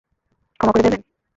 ক্ষমা করে দেবেন!